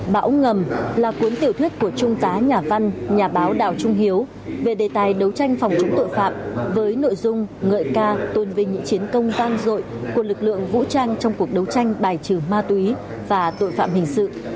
bão ngầm là cuốn tiểu thuyết của trung tá nhà văn nhà báo đào trung hiếu về đề tài đấu tranh phòng chống tội phạm với nội dung ngợi ca tôn vinh những chiến công vang dội của lực lượng vũ trang trong cuộc đấu tranh bài trừ ma túy và tội phạm hình sự